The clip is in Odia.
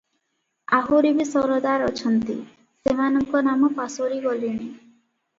ଆହୁରି ବି ସରଦାର ଅଛନ୍ତି, ସେମାନଙ୍କ ନାମ ପାସୋରି ଗଲିଣି ।